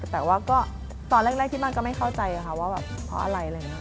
แต่ว่าตอนแรกที่บ้านก็ไม่เข้าใจว่าเพราะอะไร